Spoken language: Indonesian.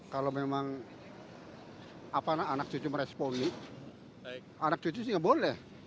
kalau memang anak cucu merespon anak cucu sih nggak boleh